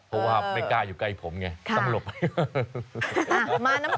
เพราะว่าไม่กล้าอยู่ใกล้ผมไงต้องหลบ